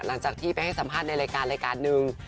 หลังจากที่ไปให้สัมภาษณ์ในรายการรายการหนึ่ง